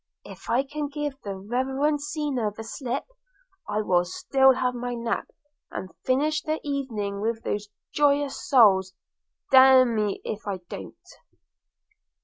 if I can give the reverend senior the slip, I will still have my nap, and finish the evening with those joyous souls; d – me if I don't!'